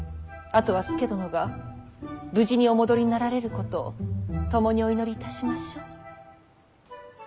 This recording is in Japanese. あとは佐殿が無事にお戻りになられることを共にお祈りいたしましょう。